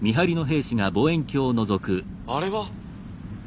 あれは。